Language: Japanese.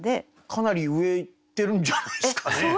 かなり上いってるんじゃないですかね。